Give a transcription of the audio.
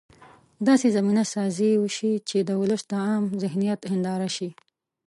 داسې زمینه سازي وشي چې د ولس د عامه ذهنیت هنداره شي.